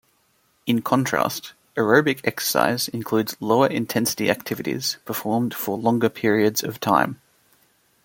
In contrast, aerobic exercise includes lower intensity activities performed for longer periods of time.